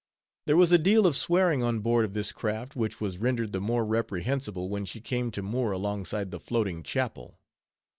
There was a deal of swearing on board of this craft, which was rendered the more reprehensible when she came to moor alongside the Floating Chapel.